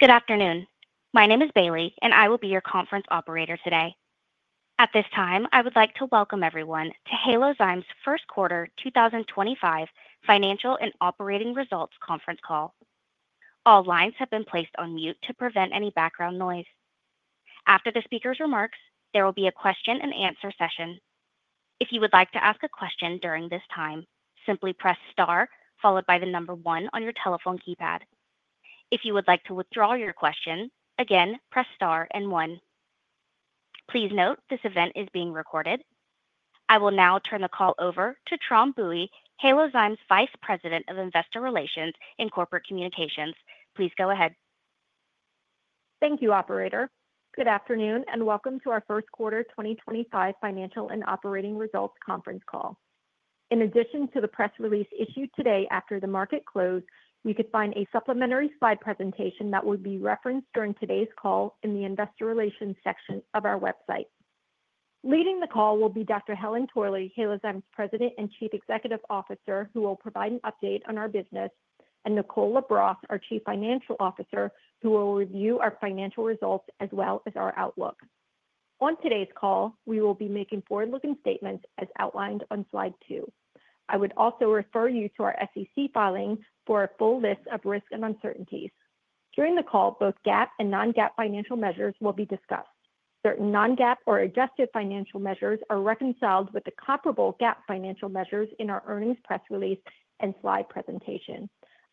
Good afternoon. My name is Bailey, and I will be your conference operator today. At this time, I would like to welcome everyone to Halozyme's First Quarter 2025 Financial and Operating Results Conference Call. All lines have been placed on mute to prevent any background noise. After the speaker's remarks, there will be a question-and-answer session. If you would like to ask a question during this time, simply press star followed by the number one on your telephone keypad. If you would like to withdraw your question, again, press star and one. Please note this event is being recorded. I will now turn the call over to Tram Bui, Halozyme's Vice President of Investor Relations and Corporate Communications. Please go ahead. Thank you, Operator. Good afternoon and welcome to our First Quarter 2025 Financial and Operating Results Conference Call. In addition to the press release issued today after the market closed, you could find a supplementary slide presentation that will be referenced during today's call in the investor relations section of our website. Leading the call will be Dr. Helen Torley, Halozyme's President and Chief Executive Officer, who will provide an update on our business, and Nicole LaBrosse, our Chief Financial Officer, who will review our financial results as well as our outlook. On today's call, we will be making forward-looking statements as outlined on slide two. I would also refer you to our SEC filing for a full list of risk and uncertainties. During the call, both GAAP and non-GAAP financial measures will be discussed. Certain non-GAAP or adjusted financial measures are reconciled with the comparable GAAP financial measures in our earnings press release and slide presentation.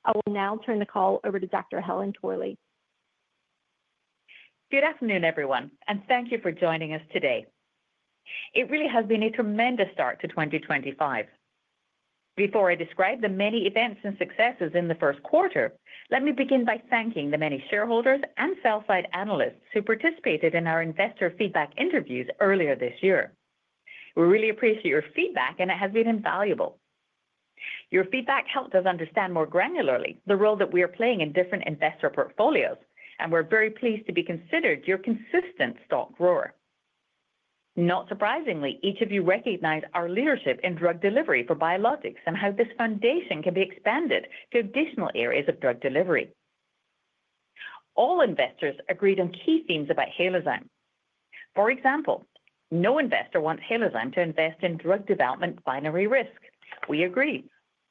I will now turn the call over to Dr. Helen Torley. Good afternoon, everyone, and thank you for joining us today. It really has been a tremendous start to 2025. Before I describe the many events and successes in the first quarter, let me begin by thanking the many shareholders and sell-side analysts who participated in our investor feedback interviews earlier this year. We really appreciate your feedback, and it has been invaluable. Your feedback helped us understand more granularly the role that we are playing in different investor portfolios, and we're very pleased to be considered your consistent stock grower. Not surprisingly, each of you recognized our leadership in drug delivery for biologics and how this foundation can be expanded to additional areas of drug delivery. All investors agreed on key themes about Halozyme. For example, no investor wants Halozyme to invest in drug development binary risk. We agree.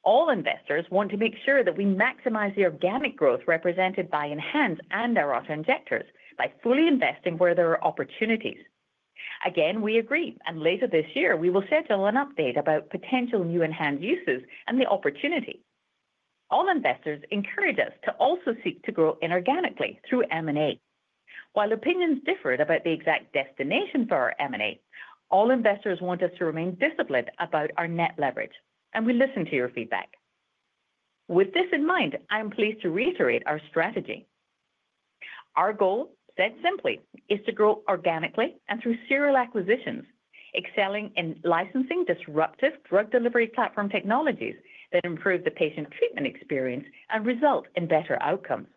All investors want to make sure that we maximize the organic growth represented by ENHANZE and our auto injectors by fully investing where there are opportunities. Again, we agree, and later this year, we will schedule an update about potential new ENHANZE uses and the opportunity. All investors encourage us to also seek to grow inorganically through M&A. While opinions differ about the exact destination for our M&A, all investors want us to remain disciplined about our net leverage, and we listen to your feedback. With this in mind, I'm pleased to reiterate our strategy. Our goal, said simply, is to grow organically and through serial acquisitions, excelling in licensing disruptive drug delivery platform technologies that improve the patient treatment experience and result in better outcomes.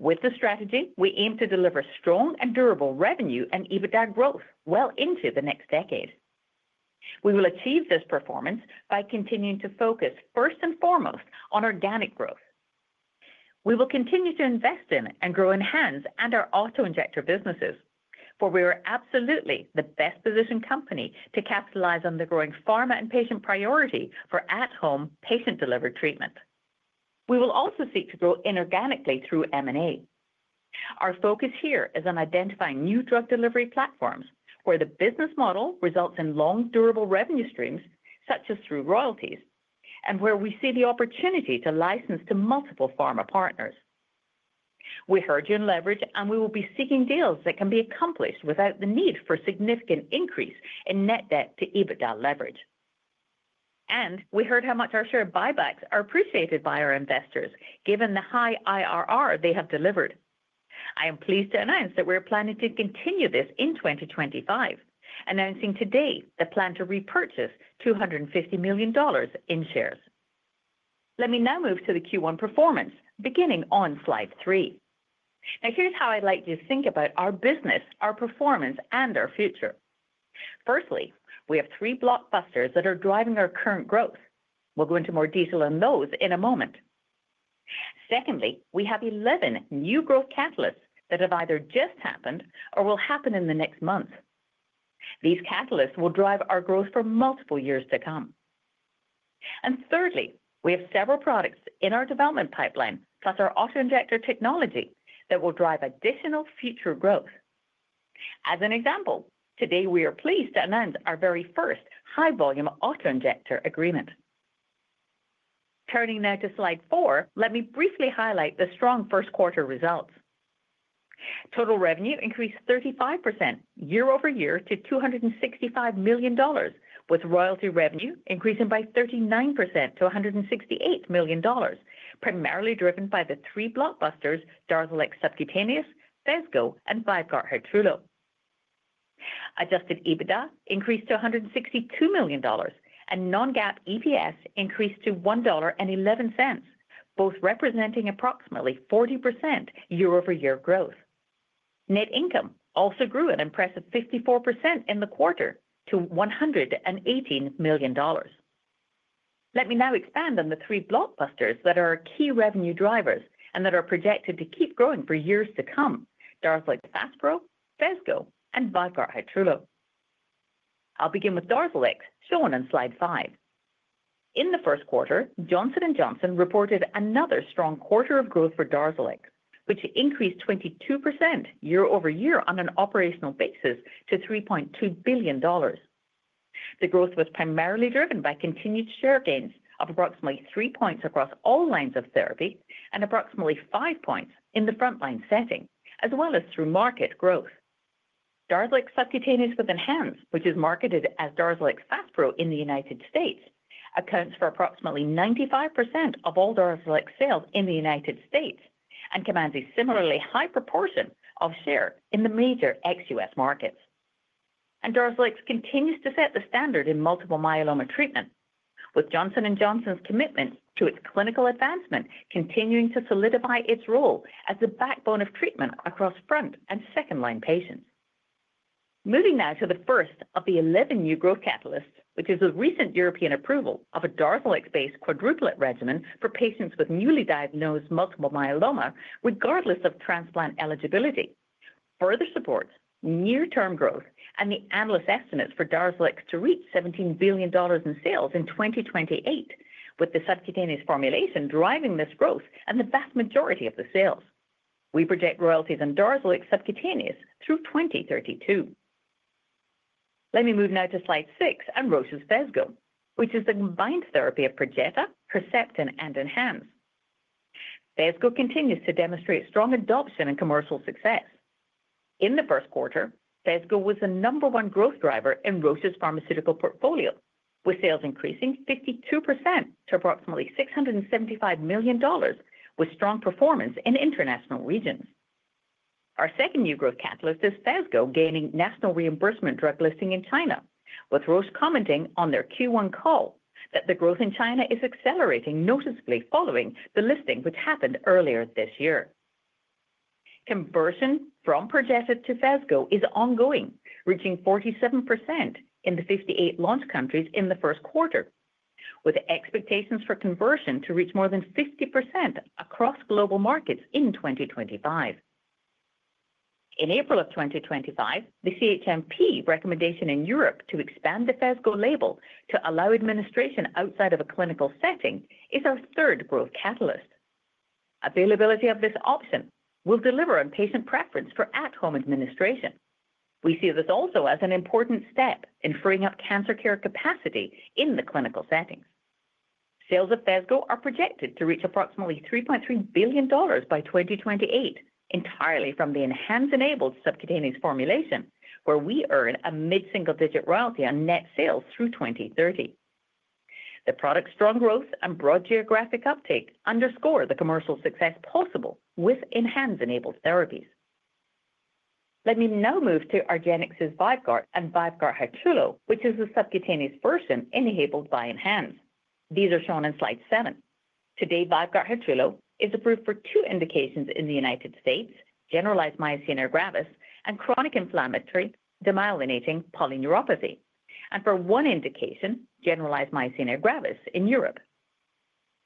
With the strategy, we aim to deliver strong and durable revenue and EBITDA growth well into the next decade. We will achieve this performance by continuing to focus first and foremost on organic growth. We will continue to invest in and grow ENHANZE and our auto injector businesses, for we are absolutely the best positioned company to capitalize on the growing pharma and patient priority for at-home patient-delivered treatment. We will also seek to grow inorganically through M&A. Our focus here is on identifying new drug delivery platforms where the business model results in long, durable revenue streams, such as through royalties, and where we see the opportunity to license to multiple pharma partners. We heard you in leverage, and we will be seeking deals that can be accomplished without the need for a significant increase in net debt to EBITDA leverage. We heard how much our share buybacks are appreciated by our investors, given the high IRR they have delivered. I am pleased to announce that we are planning to continue this in 2025, announcing today the plan to repurchase $250 million in shares. Let me now move to the Q1 performance, beginning on slide three. Now, here's how I'd like you to think about our business, our performance, and our future. Firstly, we have three blockbusters that are driving our current growth. We'll go into more detail on those in a moment. Secondly, we have 11 new growth catalysts that have either just happened or will happen in the next months. These catalysts will drive our growth for multiple years to come. Thirdly, we have several products in our development pipeline, plus our auto injector technology that will drive additional future growth. As an example, today we are pleased to announce our very first high-volume auto injector agreement. Turning now to slide four, let me briefly highlight the strong first quarter results. Total revenue increased 35% year-over-year to $265 million, with royalty revenue increasing by 39% to $168 million, primarily driven by the three blockbusters, DARZALEX subcutaneous, PHESGO, and VYVGART Hytrulo. Adjusted EBITDA increased to $162 million, and non-GAAP EPS increased to $1.11, both representing approximately 40% year-over-year growth. Net income also grew an impressive 54% in the quarter to $118 million. Let me now expand on the three blockbusters that are key revenue drivers and that are projected to keep growing for years to come: DARZALEX FASPRO, PHESGO, and VYVGART Hytrulo. I'll begin with DARZALEX, shown on slide five. In the first quarter, Johnson & Johnson reported another strong quarter of growth for DARZALEX, which increased 22% year-over-year on an operational basis to $3.2 billion. The growth was primarily driven by continued share gains of approximately three percentage points across all lines of therapy and approximately five percentage points in the frontline setting, as well as through market growth. DARZALEX subcutaneous with ENHANZE, which is marketed as DARZALEX FASPRO in the United States, accounts for approximately 95% of all DARZALEX sales in the United States and commands a similarly high proportion of share in the major ex-U.S. markets. DARZALEX continues to set the standard in multiple myeloma treatment, with Johnson & Johnson's commitment to its clinical advancement continuing to solidify its role as the backbone of treatment across front and second-line patients. Moving now to the first of the 11 new growth catalysts, which is a recent European approval of a DARZALEX-based quadruplet regimen for patients with newly diagnosed multiple myeloma, regardless of transplant eligibility. Further supports near-term growth and the analyst estimates for DARZALEX to reach $17 billion in sales in 2028, with the subcutaneous formulation driving this growth and the vast majority of the sales. We project royalties on DARZALEX Subcutaneous through 2032. Let me move now to slide six and Roche's PHESGO, which is the combined therapy of PERJETA, Herceptin, and ENHANZE. PHESGO continues to demonstrate strong adoption and commercial success. In the first quarter, PHESGO was the number one growth driver in Roche's pharmaceutical portfolio, with sales increasing 52% to approximately $675 million, with strong performance in international regions. Our second new growth catalyst is PHESGO gaining national reimbursement drug listing in China, with Roche commenting on their Q1 call that the growth in China is accelerating noticeably following the listing, which happened earlier this year. Conversion from PERJETA to PHESGO is ongoing, reaching 47% in the 58 launch countries in the first quarter, with expectations for conversion to reach more than 50% across global markets in 2025. In April of 2025, the CHMP recommendation in Europe to expand the PHESGO label to allow administration outside of a clinical setting is our third growth catalyst. Availability of this option will deliver on patient preference for at-home administration. We see this also as an important step in freeing up cancer care capacity in the clinical settings. Sales of PHESGO are projected to reach approximately $3.3 billion by 2028, entirely from the ENHANZE enabled subcutaneous formulation, where we earn a mid-single-digit royalty on net sales through 2030. The product's strong growth and broad geographic uptake underscore the commercial success possible with ENHANZE enabled therapies. Let me now move to argenx's VYVGART and VYVGART Hytrulo, which is the subcutaneous version enabled by ENHANZE. These are shown on slide seven. Today, VYVGART Hytrulo is approved for two indications in the United States: generalized myasthenia gravis and chronic inflammatory demyelinating polyneuropathy, and for one indication, generalized myasthenia gravis in Europe.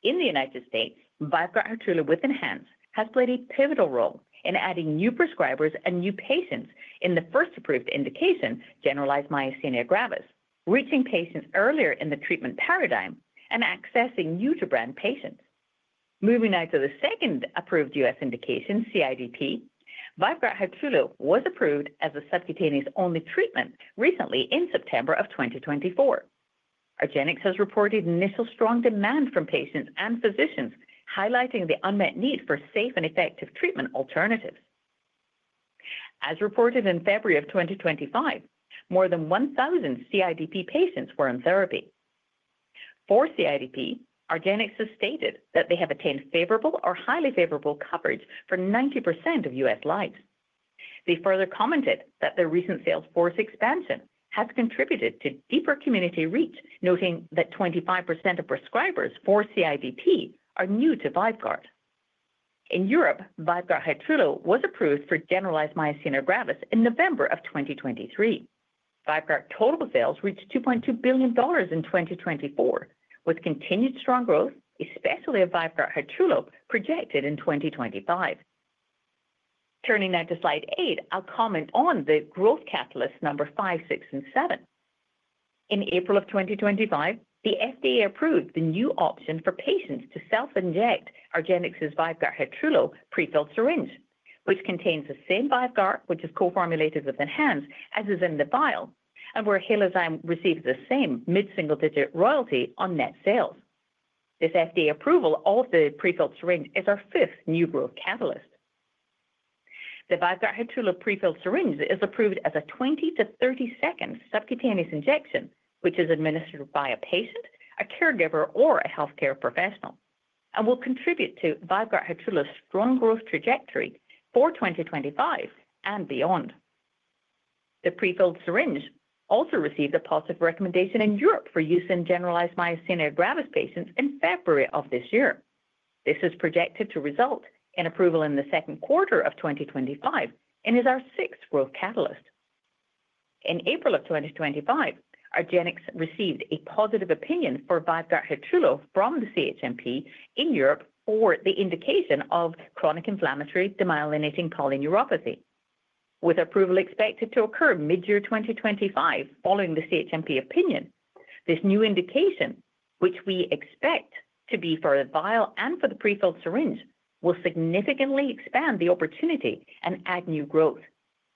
In the United States, VYVGART Hytrulo with ENHANZE has played a pivotal role in adding new prescribers and new patients in the first approved indication, generalized myasthenia gravis, reaching patients earlier in the treatment paradigm and accessing new-to-brand patients. Moving now to the second approved U.S. indication, CIDP, VYVGART Hytrulo was approved as a subcutaneous-only treatment recently in September of 2024. Argenx has reported initial strong demand from patients and physicians, highlighting the unmet need for safe and effective treatment alternatives. As reported in February of 2025, more than 1,000 CIDP patients were on therapy. For CIDP, argenx has stated that they have attained favorable or highly favorable coverage for 90% of U.S. lives. They further commented that their recent sales force expansion has contributed to deeper community reach, noting that 25% of prescribers for CIDP are new to VYVGART. In Europe, VYVGART Hytrulo was approved for generalized myasthenia gravis in November of 2023. VYVGART total sales reached $2.2 billion in 2024, with continued strong growth, especially of VYVGART Hytrulo projected in 2025. Turning now to slide eight, I'll comment on the growth catalysts number five, six, and seven. In April of 2025, the FDA approved the new option for patients to self-inject argenx's VYVGART Hytrulo prefilled syringe, which contains the same VYVGART, which is co-formulated with ENHANZE as is in the vial, and where Halozyme receives the same mid-single-digit royalty on net sales. This FDA approval of the prefilled syringe is our fifth new growth catalyst. The VYVGART Hytrulo prefilled syringe is approved as a 20-30 second subcutaneous injection, which is administered by a patient, a caregiver, or a healthcare professional, and will contribute to VYVGART Hytrulo's strong growth trajectory for 2025 and beyond. The prefilled syringe also received a positive recommendation in Europe for use in generalized myasthenia gravis patients in February of this year. This is projected to result in approval in the second quarter of 2025 and is our sixth growth catalyst. In April of 2025, argenx received a positive opinion for VYVGART Hytrulo from the CHMP in Europe for the indication of chronic inflammatory demyelinating polyneuropathy, with approval expected to occur mid-year 2025 following the CHMP opinion. This new indication, which we expect to be for the vial and for the prefilled syringe, will significantly expand the opportunity and add new growth,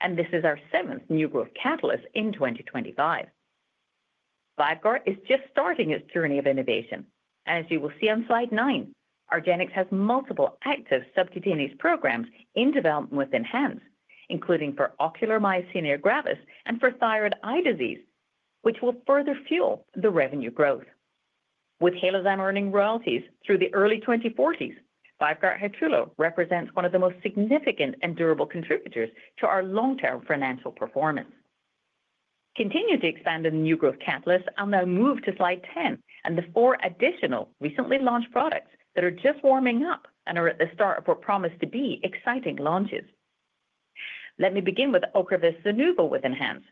and this is our seventh new growth catalyst in 2025. VYVGART is just starting its journey of innovation. As you will see on slide nine, argenx has multiple active subcutaneous programs in development with ENHANZE, including for ocular myasthenia gravis and for thyroid eye disease, which will further fuel the revenue growth. With Halozyme earning royalties through the early 2040s, VYVGART Hytrulo represents one of the most significant and durable contributors to our long-term financial performance. Continuing to expand the new growth catalyst, I'll now move to slide 10 and the four additional recently launched products that are just warming up and are at the start of what promise to be exciting launches. Let me begin with OCREVUS subcutaneous with ENHANZE,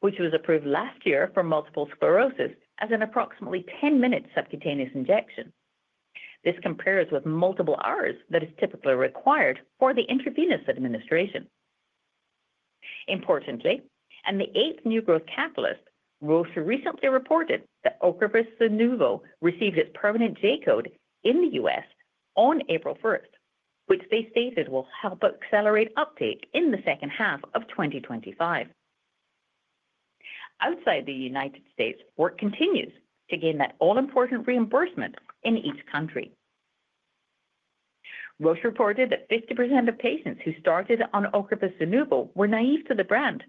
which was approved last year for multiple sclerosis as an approximately 10-minute subcutaneous injection. This compares with multiple hours that is typically required for the intravenous administration. Importantly, and the eighth new growth catalyst, Roche recently reported that OCREVUS ZUNOVO received its permanent J-code in the U.S. on April 1, which they stated will help accelerate uptake in the second half of 2025. Outside the United States, work continues to gain that all-important reimbursement in each country. Roche reported that 50% of patients who started on OCREVUS subcutaneous were naive to the brand,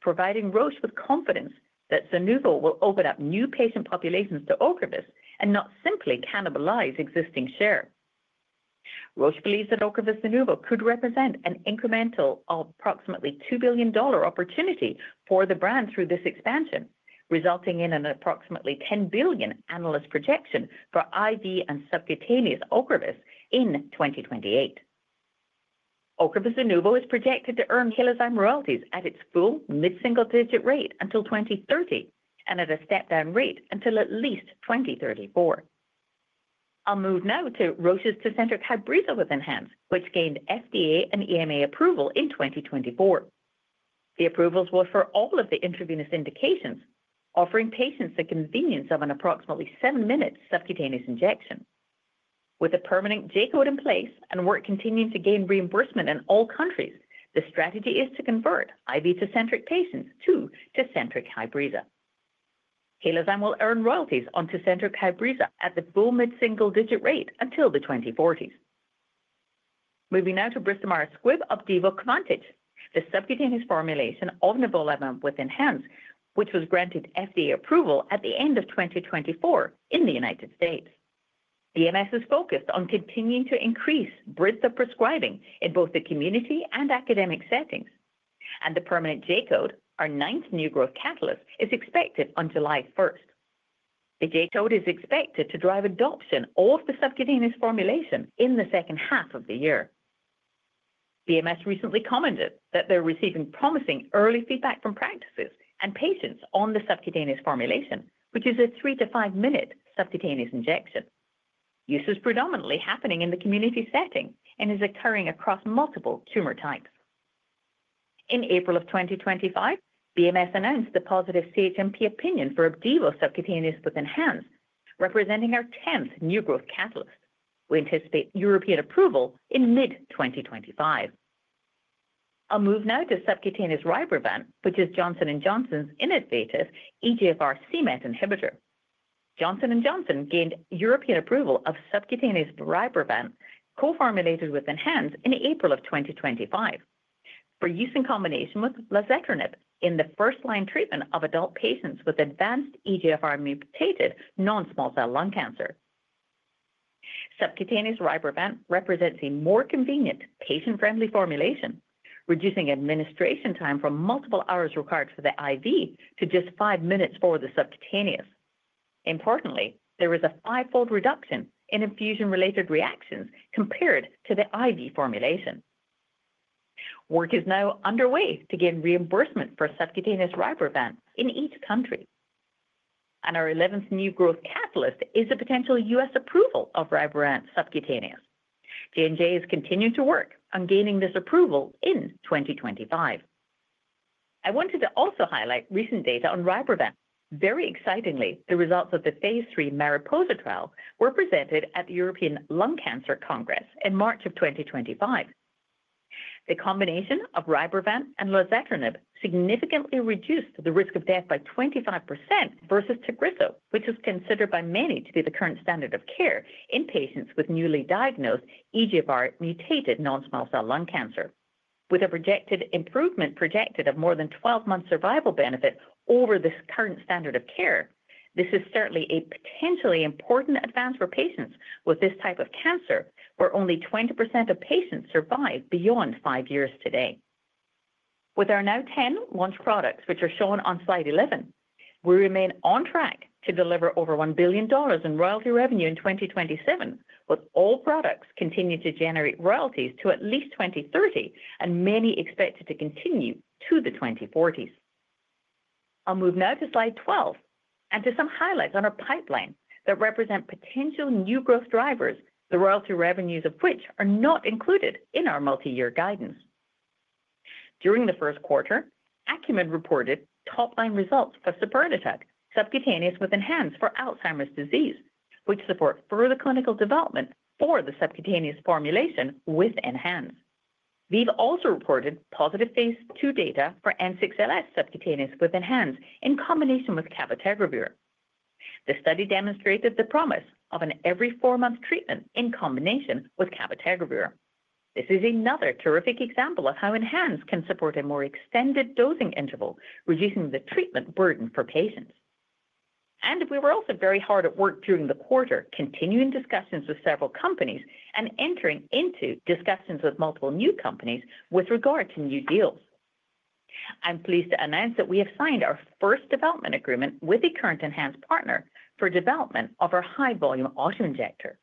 providing Roche with confidence that subcutaneous will open up new patient populations to OCREVUS and not simply cannibalize existing share. Roche believes that OCREVUS ZUNOVO could represent an incremental of approximately $2 billion opportunity for the brand through this expansion, resulting in an approximately $10 billion analyst projection for IV and subcutaneous OCREVUS in 2028. OCREVUS ZUNOVO is projected to earn Halozyme royalties at its full mid-single-digit rate until 2030 and at a step-down rate until at least 2034. I'll move now to Roche's Tecentriq Hylecta with ENHANZE, which gained FDA and EMA approval in 2024. The approvals were for all of the intravenous indications, offering patients the convenience of an approximately seven-minute subcutaneous injection. With a permanent J-code in place and work continuing to gain reimbursement in all countries, the strategy is to convert IV Tecentriq patients to Tecentriq Hylecta. Halozyme will earn royalties on Tecentriq Hylecta at the full mid-single-digit rate until the 2040s. Moving now to Bristol-Myers Squibb Opdivo subcutaneous, the subcutaneous formulation of nivolumab with ENHANZE, which was granted FDA approval at the end of 2024 in the United States. BMS is focused on continuing to increase breadth of prescribing in both the community and academic settings, and the permanent J-code, our ninth new growth catalyst, is expected on July 1. The J-code is expected to drive adoption of the subcutaneous formulation in the second half of the year. BMS recently commented that they're receiving promising early feedback from practices and patients on the subcutaneous formulation, which is a three to five-minute subcutaneous injection. Use is predominantly happening in the community setting and is occurring across multiple tumor types. In April of 2025, BMS announced the positive CHMP opinion for Opdivo subcutaneous with ENHANZE, representing our 10th new growth catalyst. We anticipate European approval in mid-2025. I'll move now to subcutaneous Rybrevant, which is Johnson & Johnson's innovative EGFR CMET inhibitor. Johnson & Johnson gained European approval of subcutaneous Rybrevant co-formulated with ENHANZE in April of 2025 for use in combination with lazertinib in the first-line treatment of adult patients with advanced EGFR-mutated non-small cell lung cancer. Subcutaneous Rybrevant represents a more convenient patient-friendly formulation, reducing administration time from multiple hours required for the IV to just five minutes for the subcutaneous. Importantly, there is a five-fold reduction in infusion-related reactions compared to the IV formulation. Work is now underway to gain reimbursement for subcutaneous Rybrevant in each country. Our 11th new growth catalyst is a potential U.S. approval of Rybrevant subcutaneous. J&J is continuing to work on gaining this approval in 2025. I wanted to also highlight recent data on Rybrevant. Very excitingly, the results of the phase III MARIPOSA trial were presented at the European Lung Cancer Congress in March of 2025. The combination of Rybrevant and lazertinib significantly reduced the risk of death by 25% versus Tagrisso, which is considered by many to be the current standard of care in patients with newly diagnosed EGFR-mutated non-small cell lung cancer. With a projected improvement projected of more than 12-month survival benefit over this current standard of care, this is certainly a potentially important advance for patients with this type of cancer, where only 20% of patients survive beyond five years today. With our now 10 launch products, which are shown on slide 11, we remain on track to deliver over $1 billion in royalty revenue in 2027, with all products continuing to generate royalties to at least 2030 and many expected to continue to the 2040s. I'll move now to slide 12 and to some highlights on our pipeline that represent potential new growth drivers, the royalty revenues of which are not included in our multi-year guidance. During the first quarter, Acumen reported top-line results for Sapanisertib subcutaneous with ENHANZE for Alzheimer's disease, which support further clinical development for the subcutaneous formulation with ENHANZE. We've also reported positive phase data for N6LS subcutaneous with ENHANZE in combination with Cabotegravir. The study demonstrated the promise of an every four-month treatment in combination with Cabotegravir. This is another terrific example of how ENHANZE can support a more extended dosing interval, reducing the treatment burden for patients. We were also very hard at work during the quarter, continuing discussions with several companies and entering into discussions with multiple new companies with regard to new deals. I'm pleased to announce that we have signed our first development agreement with a current ENHANZE partner for development of our high-volume autoinjector.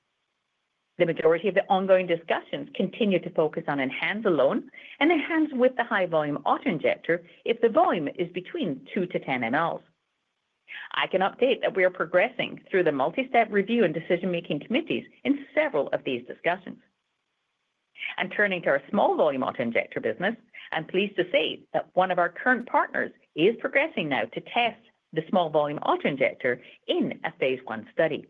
The majority of the ongoing discussions continue to focus on ENHANZE alone and ENHANZE with the high-volume autoinjector if the volume is between 2-10 mL. I can update that we are progressing through the multi-step review and decision-making committees in several of these discussions. Turning to our small volume autoinjector business, I'm pleased to say that one of our current partners is progressing now to test the small volume autoinjector in a phase I study.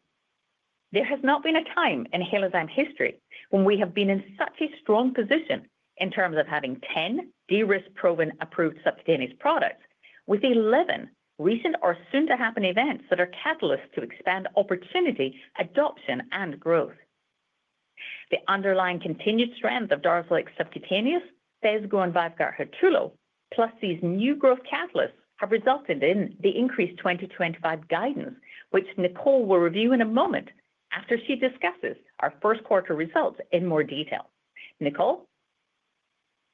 There has not been a time in Halozyme history when we have been in such a strong position in terms of having 10 ENHANZE-proven approved subcutaneous products with 11 recent or soon-to-happen events that are catalysts to expand opportunity, adoption, and growth. The underlying continued strength of DARZALEX FASPRO, PHESGO, and VYVGART Hytrulo, plus these new growth catalysts have resulted in the increased 2025 guidance, which Nicole will review in a moment after she discusses our first quarter results in more detail. Nicole?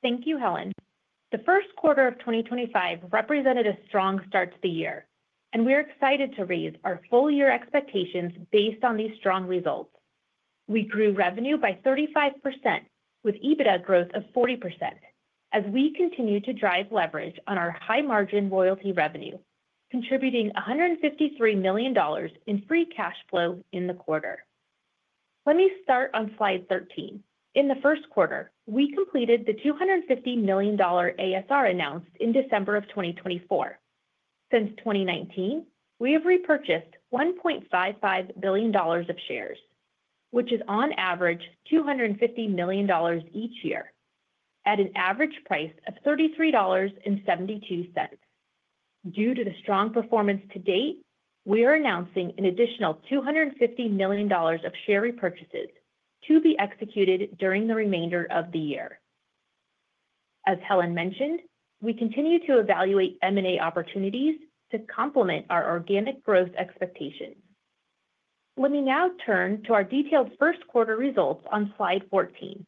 Thank you, Helen. The first quarter of 2025 represented a strong start to the year, and we are excited to raise our full-year expectations based on these strong results. We grew revenue by 35% with EBITDA growth of 40% as we continue to drive leverage on our high-margin royalty revenue, contributing $153 million in free cash flow in the quarter. Let me start on slide 13. In the first quarter, we completed the $250 million ASR announced in December of 2024. Since 2019, we have repurchased $1.55 billion of shares, which is on average $250 million each year at an average price of $33.72. Due to the strong performance to date, we are announcing an additional $250 million of share repurchases to be executed during the remainder of the year. As Helen mentioned, we continue to evaluate M&A opportunities to complement our organic growth expectations. Let me now turn to our detailed first quarter results on slide 14.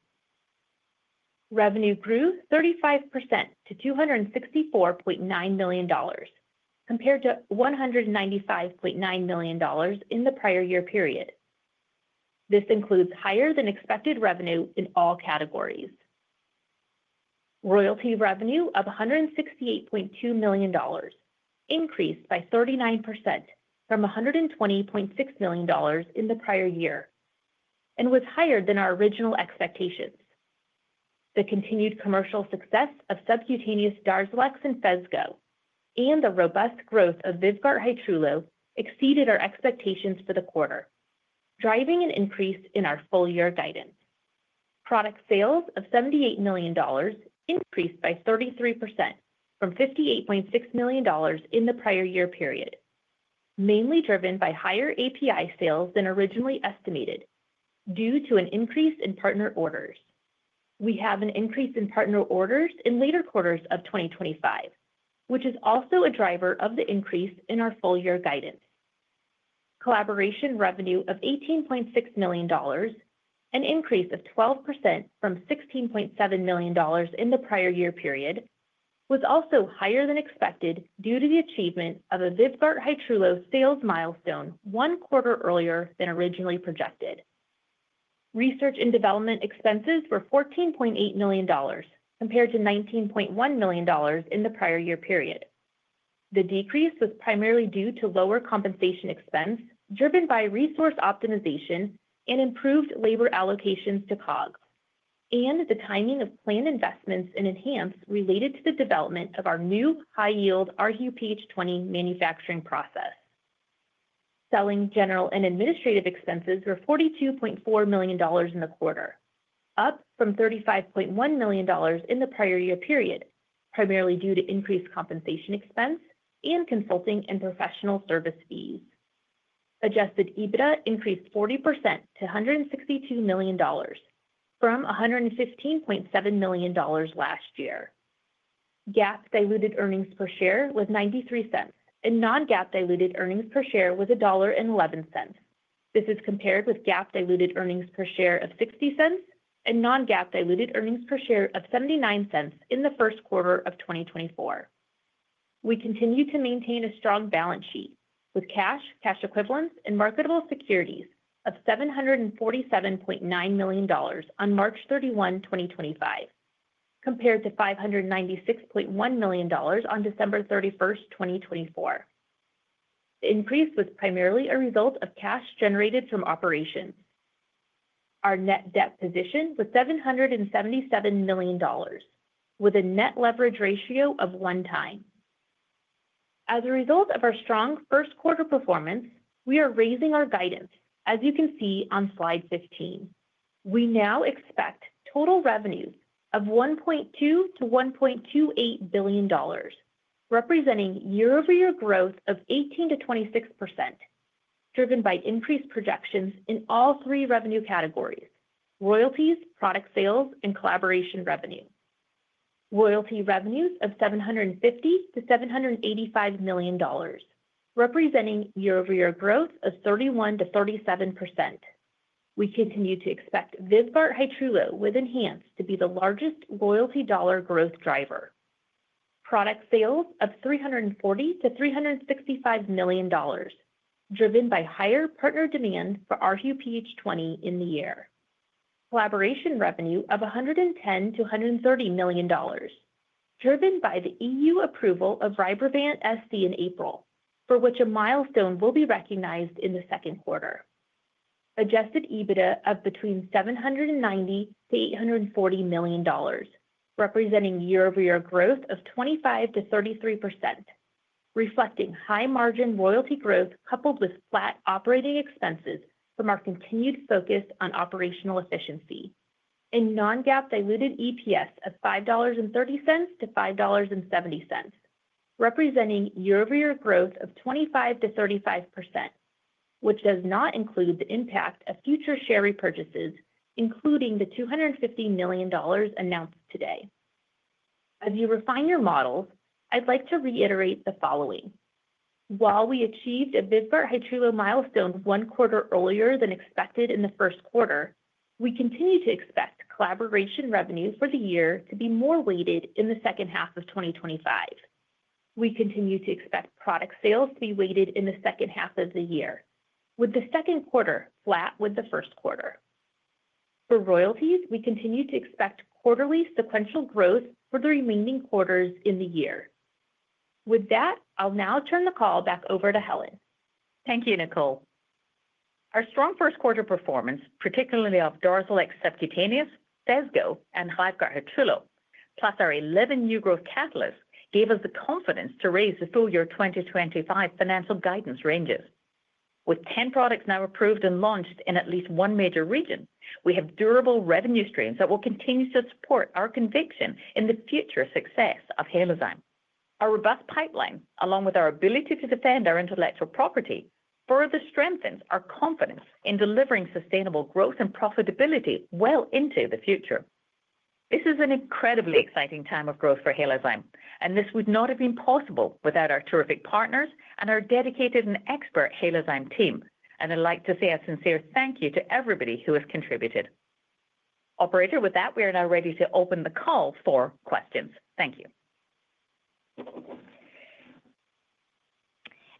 Revenue grew 35% to $264.9 million compared to $195.9 million in the prior year period. This includes higher than expected revenue in all categories. Royalty revenue of $168.2 million increased by 39% from $120.6 million in the prior year and was higher than our original expectations. The continued commercial success of subcutaneous DARZALEX and Tecentriq Hylecta and the robust growth of VYVGART Hytrulo exceeded our expectations for the quarter, driving an increase in our full year guidance. Product sales of $78 million increased by 33% from $58.6 million in the prior year period, mainly driven by higher API sales than originally estimated due to an increase in partner orders. We have an increase in partner orders in later quarters of 2025, which is also a driver of the increase in our full-year guidance. Collaboration revenue of $18.6 million, an increase of 12% from $16.7 million in the prior year period, was also higher than expected due to the achievement of a VYVGART Hytrulo sales milestone one quarter earlier than originally projected. Research and development expenses were $14.8 million compared to $19.1 million in the prior year period. The decrease was primarily due to lower compensation expense driven by resource optimization and improved labor allocations to COGS and the timing of planned investments in ENHANZE related to the development of our new high-yield rHuPH20 manufacturing process. Selling, general and administrative expenses were $42.4 million in the quarter, up from $35.1 million in the prior year period, primarily due to increased compensation expense and consulting and professional service fees. Adjusted EBITDA increased 40% to $162 million from $115.7 million last year. GAAP diluted earnings per share was $0.93, and non-GAAP diluted earnings per share was $1.11. This is compared with GAAP diluted earnings per share of $0.60 and non-GAAP diluted earnings per share of $0.79 in the first quarter of 2024. We continue to maintain a strong balance sheet with cash, cash equivalents, and marketable securities of $747.9 million on March 31, 2025, compared to $596.1 million on December 31, 2024. The increase was primarily a result of cash generated from operations. Our net debt position was $777 million, with a net leverage ratio of one time. As a result of our strong first quarter performance, we are raising our guidance, as you can see on slide 15. We now expect total revenues of $1.2 billion-$1.28 billion, representing year-over-year growth of 18%-26%, driven by increased projections in all three revenue categories: royalties, product sales, and collaboration revenue. Royalty revenues of $750 million-$785 million, representing year-over-year growth of 31%-37%. We continue to expect VYVGART Hytrulo with ENHANZE to be the largest royalty dollar growth driver. Product sales of $340 million-$365 million, driven by higher partner demand for rHuPH20 in the year. Collaboration revenue of $110 million-$130 million, driven by the EU approval of Rybrevant SC in April, for which a milestone will be recognized in the second quarter. Adjusted EBITDA of between $790 million-$840 million, representing year-over-year growth of 25%-33%, reflecting high-margin royalty growth coupled with flat operating expenses from our continued focus on operational efficiency. A non-GAAP diluted EPS of $5.30-$5.70, representing year-over-year growth of 25%-35%, which does not include the impact of future share repurchases, including the $250 million announced today. As you refine your models, I'd like to reiterate the following. While we achieved a VYVGART Hytrulo milestone one quarter earlier than expected in the first quarter, we continue to expect collaboration revenue for the year to be more weighted in the second half of 2025. We continue to expect product sales to be weighted in the second half of the year, with the second quarter flat with the first quarter. For royalties, we continue to expect quarterly sequential growth for the remaining quarters in the year. With that, I'll now turn the call back over to Helen. Thank you, Nicole. Our strong first quarter performance, particularly of DARZALEX FASPRO, Tecentriq Hylecta, and VYVGART Hytrulo, plus our 11 new growth catalysts, gave us the confidence to raise the full-year 2025 financial guidance ranges. With 10 products now approved and launched in at least one major region, we have durable revenue streams that will continue to support our conviction in the future success of Halozyme. Our robust pipeline, along with our ability to defend our intellectual property, further strengthens our confidence in delivering sustainable growth and profitability well into the future. This is an incredibly exciting time of growth for Halozyme, and this would not have been possible without our terrific partners and our dedicated and expert Halozyme team. I'd like to say a sincere thank you to everybody who has contributed. Operator, with that, we are now ready to open the call for questions. Thank you.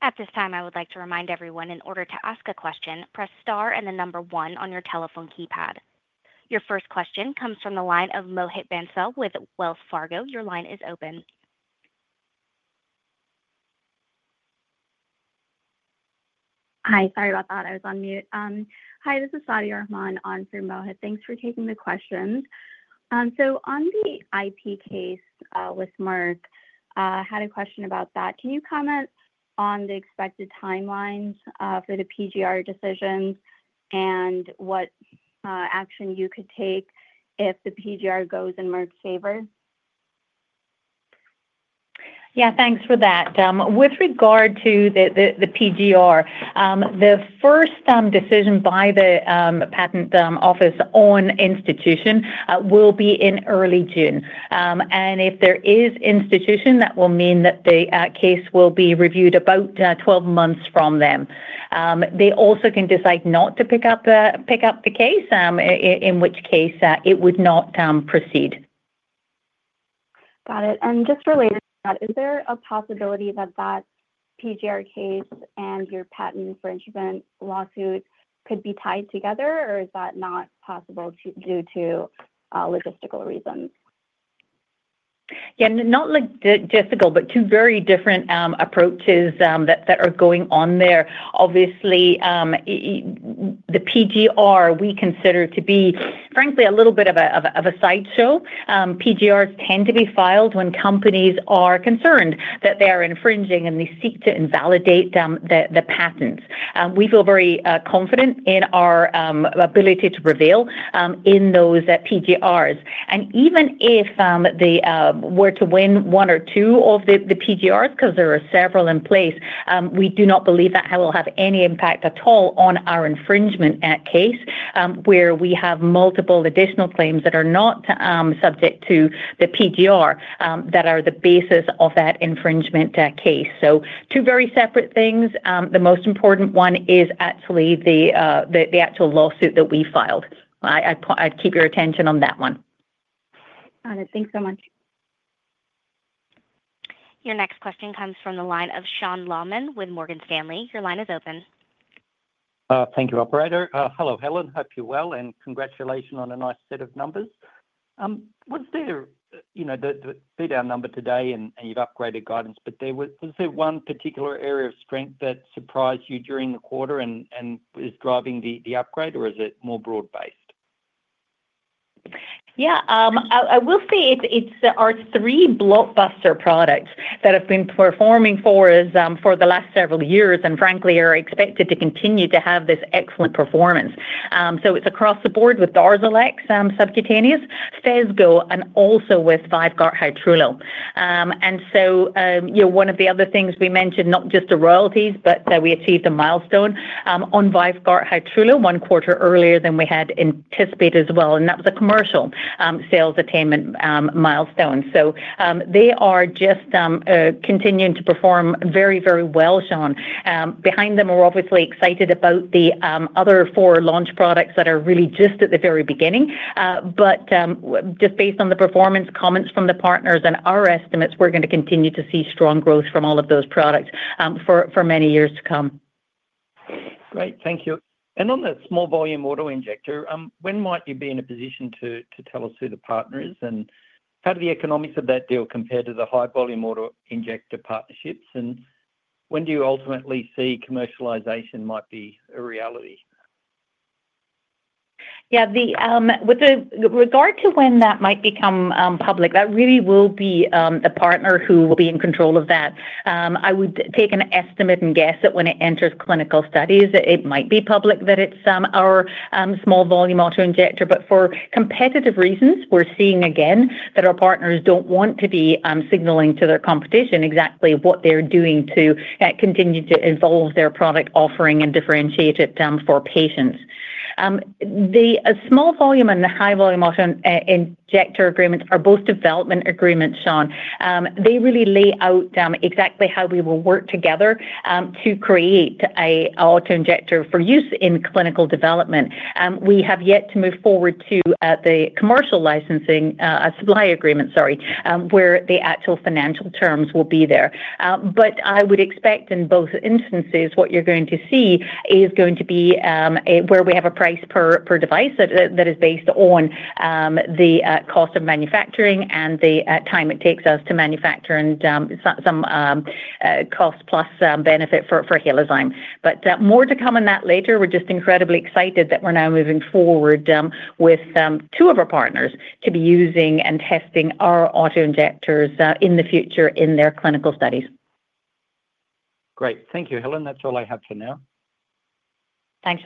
At this time, I would like to remind everyone in order to ask a question, press star and the number one on your telephone keypad. Your first question comes from the line of Mohit Bansal with Wells Fargo. Your line is open. Hi, sorry about that. I was on mute. Hi, this is Sadia Rahman on through Mohit. Thanks for taking the questions. So on the IP case with Merck, I had a question about that. Can you comment on the expected timelines for the PGR decisions and what action you could take if the PGR goes in Merck's favor? Yeah, thanks for that. With regard to the PGR, the first decision by the patent office on institution will be in early June.If there is institution, that will mean that the case will be reviewed about 12 months from then. They also can decide not to pick up the case, in which case it would not proceed. Got it. Just related to that, is there a possibility that that PGR case and your patent infringement lawsuit could be tied together, or is that not possible due to logistical reasons? Yeah, not logistical, but two very different approaches that are going on there. Obviously, the PGR we consider to be, frankly, a little bit of a sideshow. PGRs tend to be filed when companies are concerned that they are infringing and they seek to invalidate the patents. We feel very confident in or ability to prevail in those PGRs. Even if they were to win one or two of the PGRs, because there are several in place, we do not believe that will have any impact at all on our infringement case, where we have multiple additional claims that are not subject to the PGR that are the basis of that infringement case. Two very separate things. The most important one is actually the actual lawsuit that we filed. I'd keep your attention on that one. Got it. Thanks so much. Your next question comes from the line of Sean Laaman with Morgan Stanley. Your line is open. Thank you, Operator. Hello, Helen. Hope you're well, and congratulations on a nice set of numbers. Was there the BDAN number today, and you've upgraded guidance, but was there one particular area of strength that surprised you during the quarter and is driving the upgrade, or is it more broad-based? Yeah, I will say it's our three blockbuster products that have been performing for us for the last several years and, frankly, are expected to continue to have this excellent performance. It is across the board with DARZALEX FASPRO, PHESGO, and also with VYVGART Hytrulo. One of the other things we mentioned, not just the royalties, but we achieved a milestone on VYVGART Hytrulo one quarter earlier than we had anticipated as well, and that was a commercial sales attainment milestone. They are just continuing to perform very, very well, Sean. Behind them, we're obviously excited about the other four launch products that are really just at the very beginning. Just based on the performance comments from the partners and our estimates, we're going to continue to see strong growth from all of those products for many years to come. Great. Thank you. On the small volume auto injector, when might you be in a position to tell us who the partner is and how do the economics of that deal compare to the high volume auto injector partnerships? When do you ultimately see commercialization might be a reality? Yeah, with regard to when that might become public, that really will be the partner who will be in control of that. I would take an estimate and guess that when it enters clinical studies, it might be public that it's our small volume auto injector. For competitive reasons, we're seeing again that our partners don't want to be signaling to their competition exactly what they're doing to continue to evolve their product offering and differentiate it for patients. The small volume and the high volume auto injector agreements are both development agreements, Sean. They really lay out exactly how we will work together to create an auto injector for use in clinical development. We have yet to move forward to the commercial licensing supply agreement, sorry, where the actual financial terms will be there. I would expect in both instances, what you're going to see is going to be where we have a price per device that is based on the cost of manufacturing and the time it takes us to manufacture and some cost plus benefit for Halozyme. More to come on that later. We're just incredibly excited that we're now moving forward with two of our partners to be using and testing our auto injectors in the future in their clinical studies. Great. Thank you, Helen. That's all I have for now. Thanks,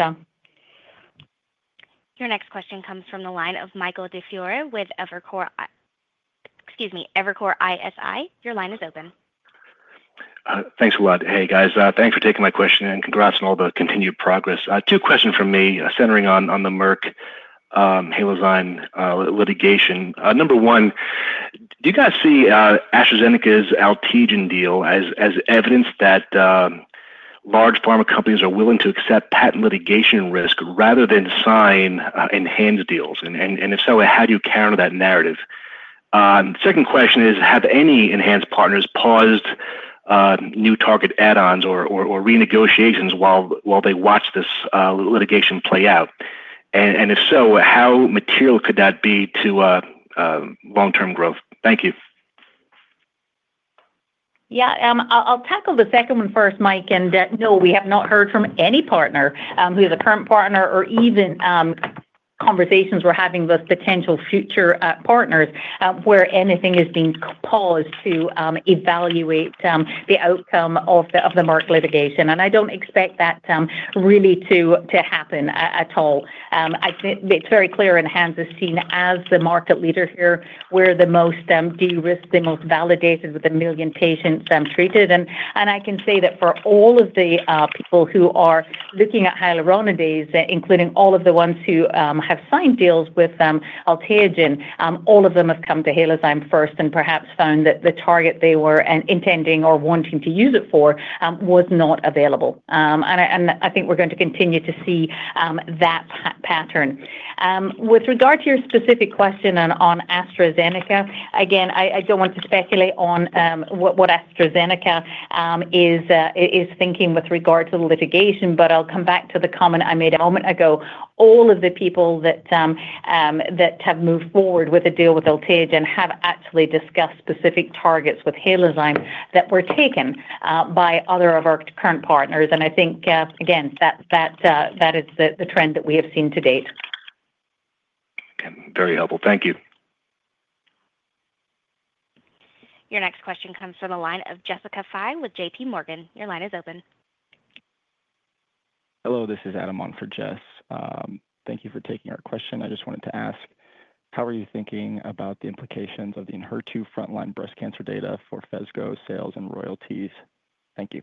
Sean. Your next question comes from the line of Michael DiFiore with Evercore ISI. Your line is open. Thanks, Wad. Hey, guys. Thanks for taking my question and congrats on all the continued progress. Two questions from me centering on the Merck Halozyme litigation. Number one, do you guys see AstraZeneca's Altegen deal as evidence that large pharma companies are willing to accept patent litigation risk rather than sign ENHANZE deals? And if so, how do you counter that narrative? Second question is, have any ENHANZE partners paused new target add-ons or renegotiations while they watch this litigation play out? If so, how material could that be to long-term growth? Thank you. Yeah, I'll tackle the second one first, Mike. No, we have not heard from any partner who is a current partner or even conversations we're having with potential future partners where anything is being paused to evaluate the outcome of the Merck litigation. I don't expect that really to happen at all. It's very clear ENHANZE is seen as the market leader here, we're the most de-risked, the most validated with a million patients treated. I can say that for all of the people who are looking at hyaluronidase, including all of the ones who have signed deals with Altegen, all of them have come to Halozyme first and perhaps found that the target they were intending or wanting to use it for was not available. I think we're going to continue to see that pattern. With regard to your specific question on AstraZeneca, again, I don't want to speculate on what AstraZeneca is thinking with regard to the litigation, but I'll come back to the comment I made a moment ago. All of the people that have moved forward with a deal with Altegen have actually discussed specific targets with Halozyme that were taken by other of our current partners. I think, again, that is the trend that we have seen to date. Okay, very helpful. Thank you. Your next question comes from the line of Jessica Fye with JPMorgan. Your line is open. Hello, this is Adam on for Jess. Thank you for taking our question. I just wanted to ask, how are you thinking about the implications of the inheritance frontline breast cancer data for PHESGO sales and royalties? Thank you.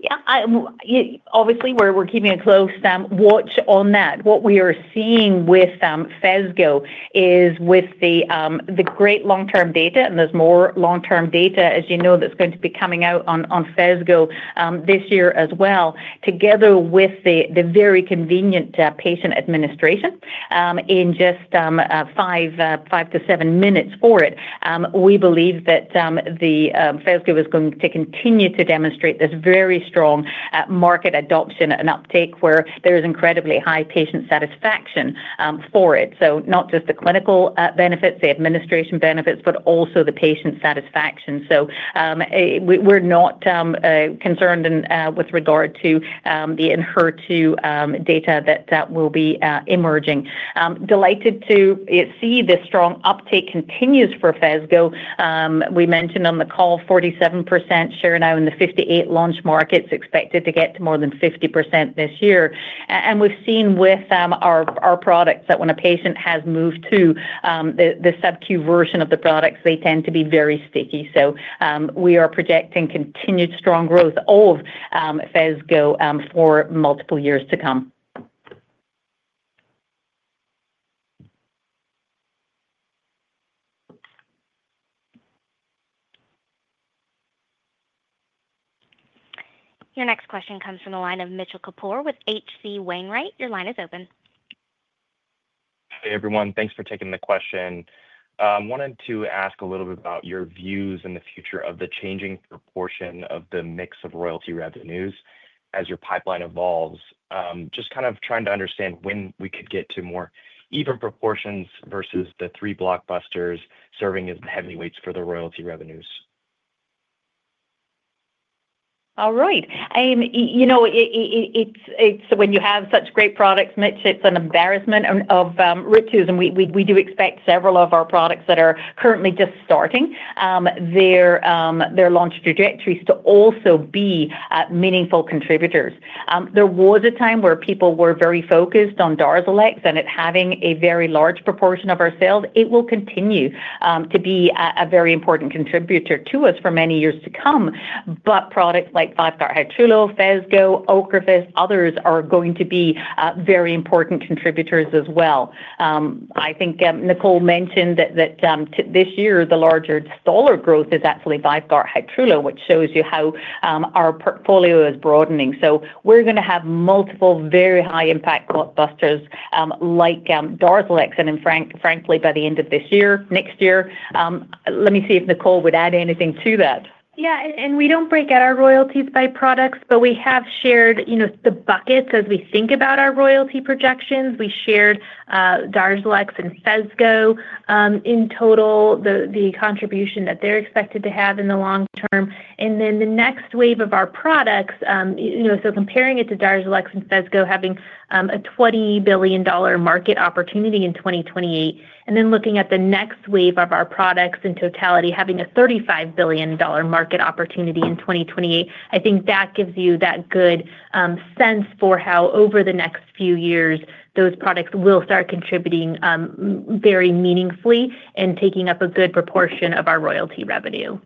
Yeah, obviously, we're keeping a close watch on that. What we are seeing with PHESGO is with the great long-term data, and there's more long-term data, as you know, that's going to be coming out on PHESGO this year as well. Together with the very convenient patient administration in just five to seven minutes for it, we believe that PHESGO is going to continue to demonstrate this very strong market adoption and uptake where there is incredibly high patient satisfaction for it. Not just the clinical benefits, the administration benefits, but also the patient satisfaction. We're not concerned with regard to the inheritance data that will be emerging. Delighted to see the strong uptake continues for PHESGO. We mentioned on the call, 47% share now in the 58 launch markets expected to get to more than 50% this year. We've seen with our products that when a patient has moved to the subQ version of the products, they tend to be very sticky. We are projecting continued strong growth of PHESGO for multiple years to come. Your next question comes from the line of Mitchell Kapoor with HC Wainwright. Your line is open. Hey, everyone. Thanks for taking the question. I wanted to ask a little bit about your views in the future of the changing proportion of the mix of royalty revenues as your pipeline evolves. Just kind of trying to understand when we could get to more even proportions versus the three blockbusters serving as the heavyweights for the royalty revenues. All right. It's when you have such great products, Mitch, it's an embarrassment of riches. We do expect several of our products that are currently just starting their launch trajectories to also be meaningful contributors. There was a time where people were very focused on DARZALEX and it having a very large proportion of our sales. It will continue to be a very important contributor to us for many years to come. Products like VYVGART Hytrulo, Tecentriq Hylecta, OCREVUS, others are going to be very important contributors as well. I think Nicole mentioned that this year, the larger stall of growth is actually VYVGART Hytrulo, which shows you how our portfolio is broadening. We are going to have multiple very high-impact blockbusters like DARZALEX. Frankly, by the end of this year, next year, let me see if Nicole would add anything to that. Yeah, and we don't break out our royalties by products, but we have shared the buckets as we think about our royalty projections. We shared DARZALEX and PHESGO in total, the contribution that they're expected to have in the long term. The next wave of our products, so comparing it to DARZALEX and PHESGO, having a $20 billion market opportunity in 2028, and then looking at the next wave of our products in totality, having a $35 billion market opportunity in 2028, I think that gives you that good sense for how over the next few years, those products will start contributing very meaningfully and taking up a good proportion of our royalty revenue.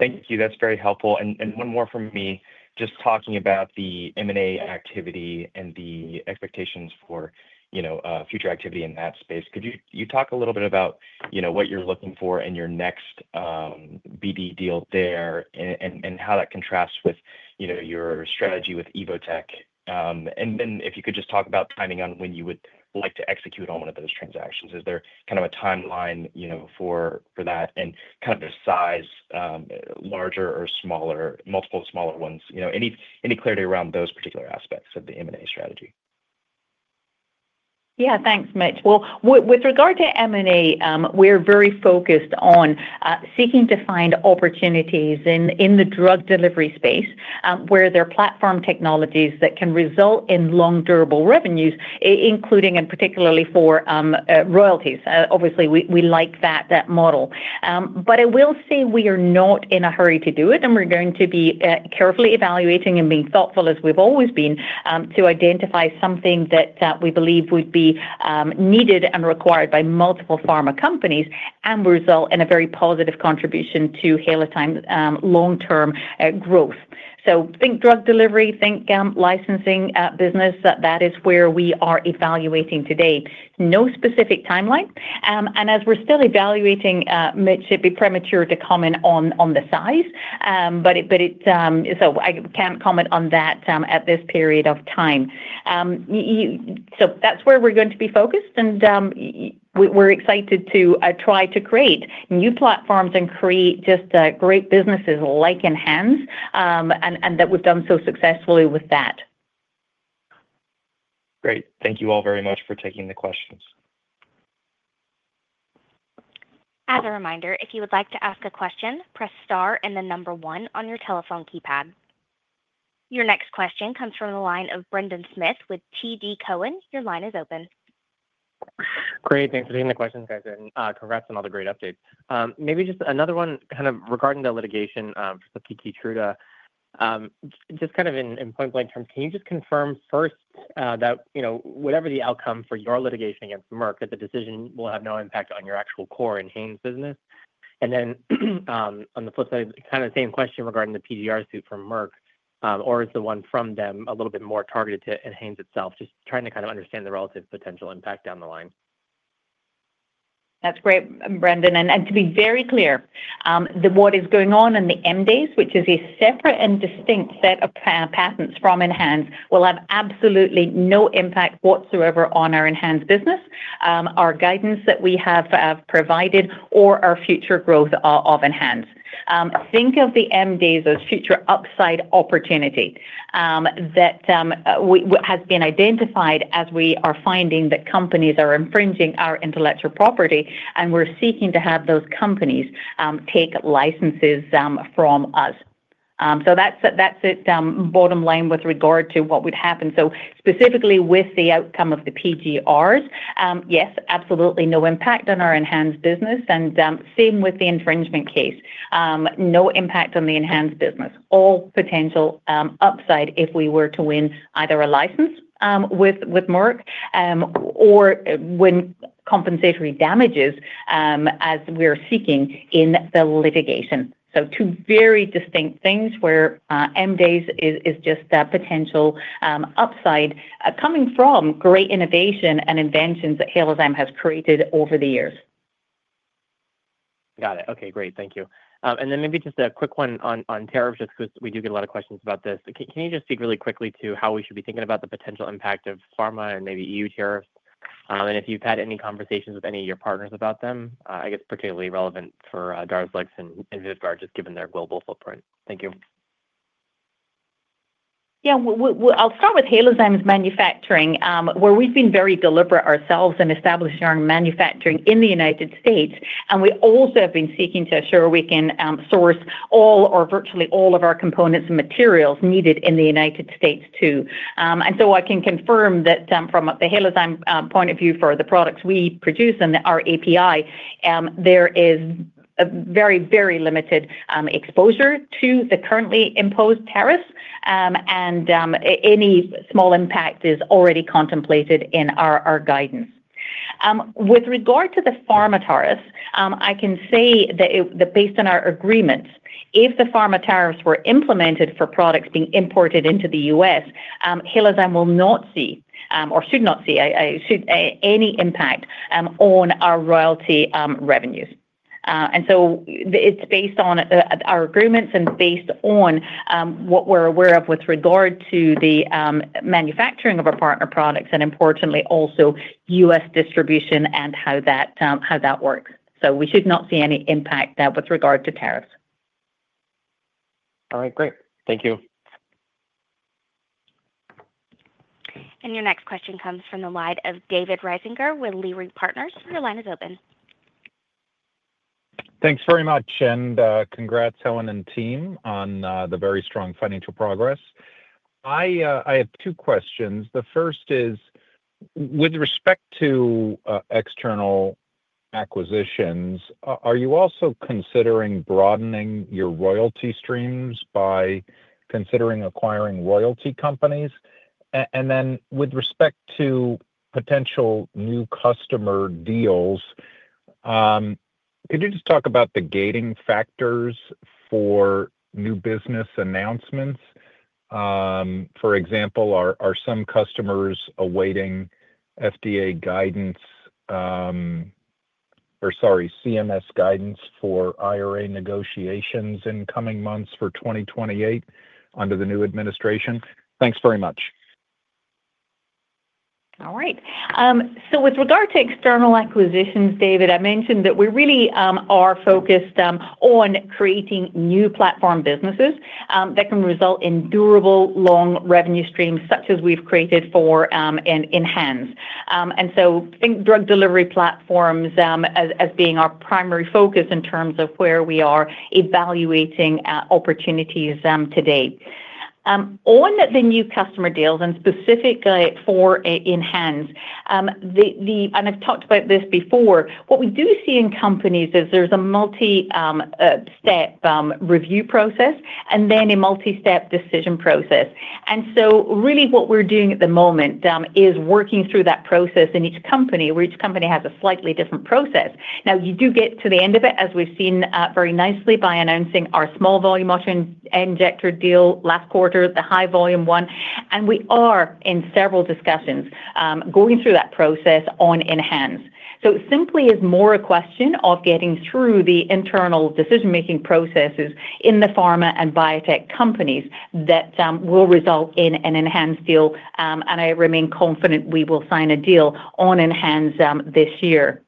Thank you. That's very helpful. One more from me, just talking about the M&A activity and the expectations for future activity in that space. Could you talk a little bit about what you're looking for in your next BD deal there and how that contrasts with your strategy with EvoTech? And then if you could just talk about timing on when you would like to execute on one of those transactions. Is there kind of a timeline for that and kind of the size, larger or smaller, multiple smaller ones? Any clarity around those particular aspects of the M&A strategy? Yeah, thanks, Mitch. With regard to M&A, we're very focused on seeking to find opportunities in the drug delivery space where there are platform technologies that can result in long durable revenues, including and particularly for royalties. Obviously, we like that model. I will say we are not in a hurry to do it, and we're going to be carefully evaluating and being thoughtful, as we've always been, to identify something that we believe would be needed and required by multiple pharma companies and result in a very positive contribution to Halozyme's long-term growth. Think drug delivery, think licensing business. That is where we are evaluating today. No specific timeline. As we're still evaluating, Mitch, it'd be premature to comment on the size, so I can't comment on that at this period of time. That's where we're going to be focused, and we're excited to try to create new platforms and create just great businesses like ENHANZE and that we've done so successfully with that. Great. Thank you all very much for taking the questions. As a reminder, if you would like to ask a question, press star and then number one on your telephone keypad. Your next question comes from the line of Brendan Smith with TD Cowen. Your line is open. Great. Thanks for taking the question, guys. And congrats on all the great updates. Maybe just another one kind of regarding the litigation for the PT Truda. Just kind of in point blank terms, can you just confirm first that whatever the outcome for your litigation against Merck, that the decision will have no impact on your actual core ENHANZE business? And then on the flip side, kind of the same question regarding the PGR suit from Merck, or is the one from them a little bit more targeted to ENHANZE itself? Just trying to kind of understand the relative potential impact down the line. That's great, Brendan. To be very clear, what is going on in the MDAS, which is a separate and distinct set of patents from ENHANZE, will have absolutely no impact whatsoever on our ENHANZE business, our guidance that we have provided, or our future growth of ENHANZE. Think of the MDAS as future upside opportunity that has been identified as we are finding that companies are infringing our intellectual property, and we are seeking to have those companies take licenses from us. That is it, bottom line with regard to what would happen. Specifically with the outcome of the PGRs, yes, absolutely no impact on our ENHANZE business, and same with the infringement case. No impact on the ENHANZE business. All potential upside if we were to win either a license with Merck or win compensatory damages as we are seeking in the litigation. Two very distinct things where MDAS is just potential upside coming from great innovation and inventions that Halozyme has created over the years. Got it. Okay, great. Thank you. Maybe just a quick one on tariffs just because we do get a lot of questions about this. Can you just speak really quickly to how we should be thinking about the potential impact of pharma and maybe EU tariffs? If you've had any conversations with any of your partners about them, I guess particularly relevant for DARZALEX and VYVGART just given their global footprint. Thank you. Yeah, I'll start with Halozyme's manufacturing where we've been very deliberate ourselves in establishing our manufacturing in the United States. We also have been seeking to assure we can source all or virtually all of our components and materials needed in the United States too. I can confirm that from the Halozyme point of view for the products we produce and our API, there is very, very limited exposure to the currently imposed tariffs, and any small impact is already contemplated in our guidance. With regard to the pharma tariffs, I can say that based on our agreements, if the pharma tariffs were implemented for products being imported into the U.S., Halozyme will not see or should not see any impact on our royalty revenues. It is based on our agreements and based on what we're aware of with regard to the manufacturing of our partner products and importantly also U.S. distribution and how that works. We should not see any impact with regard to tariffs. All right, great. Thank you. Your next question comes from the line of David Risinger with Leeway Partners. Your line is open. Thanks very much. And congrats, Ellen and team, on the very strong financial progress. I have two questions. The first is with respect to external acquisitions, are you also considering broadening your royalty streams by considering acquiring royalty companies? And then with respect to potential new customer deals, could you just talk about the gating factors for new business announcements? For example, are some customers awaiting FDA guidance or, sorry, CMS guidance for IRA negotiations in coming months for 2028 under the new administration? Thanks very much. All right. So with regard to external acquisitions, David, I mentioned that we really are focused on creating new platform businesses that can result in durable long revenue streams such as we've created for ENHANZE. And so think drug delivery platforms as being our primary focus in terms of where we are evaluating opportunities today. On the new customer deals and specifically for ENHANZE, and I've talked about this before, what we do see in companies is there's a multi-step review process and then a multi-step decision process. What we're doing at the moment is working through that process in each company where each company has a slightly different process. You do get to the end of it, as we've seen very nicely by announcing our small volume injector deal last quarter, the high volume one, and we are in several discussions going through that process on ENHANZE. It simply is more a question of getting through the internal decision-making processes in the pharma and biotech companies that will result in an ENHANZE deal. I remain confident we will sign a deal on ENHANZE this year.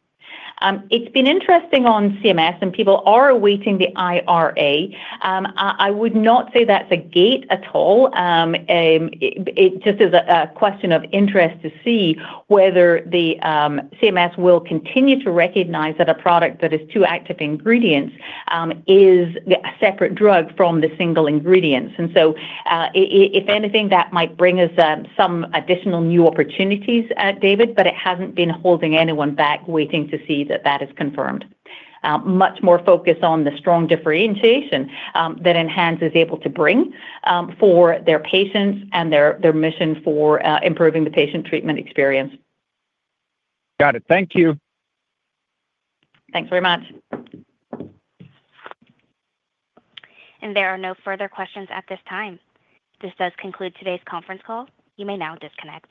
It's been interesting on CMS, and people are awaiting the IRA. I would not say that's a gate at all. It just is a question of interest to see whether the CMS will continue to recognize that a product that is two active ingredients is a separate drug from the single ingredients. If anything, that might bring us some additional new opportunities, David, but it hasn't been holding anyone back waiting to see that that is confirmed. Much more focus on the strong differentiation that ENHANZE is able to bring for their patients and their mission for improving the patient treatment experience. Got it. Thank you. Thanks very much. There are no further questions at this time. This does conclude today's conference call. You may now disconnect.